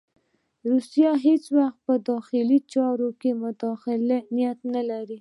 روسیه هېڅ وخت په داخلي چارو کې د مداخلې نیت نه لري.